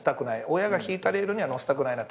親が敷いたレールにはのせたくないなって。